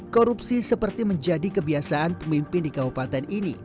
korupsi seperti menjadi kebiasaan pemimpin di kabupaten ini